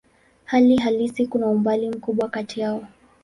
Hali halisi kuna umbali mkubwa kati yao.